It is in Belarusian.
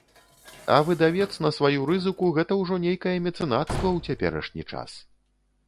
А выдавец на сваю рызыку, гэта ўжо нейкае мецэнацтва ў цяперашні час.